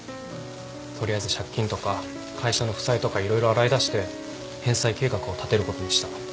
取りあえず借金とか会社の負債とか色々洗い出して返済計画を立てることにした。